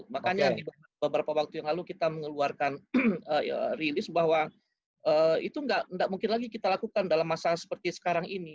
makanya di beberapa waktu yang lalu kita mengeluarkan rilis bahwa itu tidak mungkin lagi kita lakukan dalam masa seperti sekarang ini